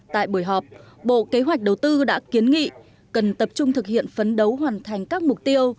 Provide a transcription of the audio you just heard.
tại buổi họp bộ kế hoạch đầu tư đã kiến nghị cần tập trung thực hiện phấn đấu hoàn thành các mục tiêu